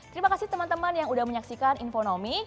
terima kasih temen temen yang udah menyaksikan infonomic